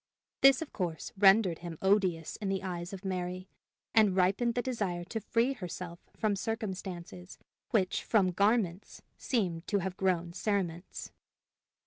This, of course, rendered him odious in the eyes of Mary, and ripened the desire to free herself from circumstances which from garments seemed to have grown cerements.